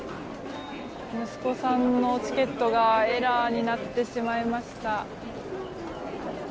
息子さんのチケットがエラーになってしまいました。